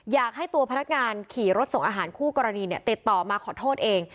อยากให้ตัวพนักงานขี่รถส่งอาหารคู่กรณีติดต่อมาขอโทษเอง